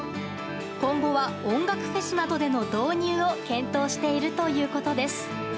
今後は音楽フェスなどでの導入を検討しているということです。